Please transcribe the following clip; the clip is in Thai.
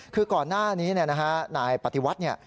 คือก่อนหน้านี้นายปฏิวัติเนี่ย